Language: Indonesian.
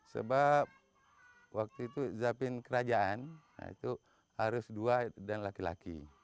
sebab waktu itu zapin kerajaan itu harus dua dan laki laki